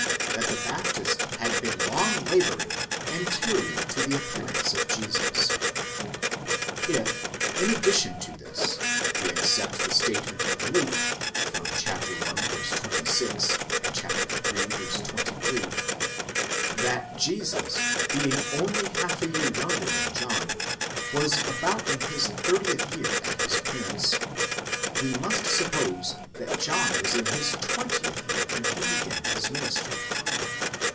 that the Baptist had been long labouring, anterior to the appearance of Jesus. If, in addition to this, we accept the statement of Luke (i. 26 and iii. 23), that Jesus, being only half a year younger than John, was about in his thirtieth year at his appearance, we must suppose that John was in his twentieth year when he began his ministry.